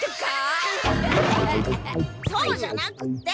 そうじゃなくって！